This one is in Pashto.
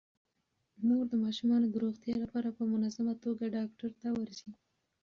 مور د ماشومانو د روغتیا لپاره په منظمه توګه ډاکټر ته ورځي.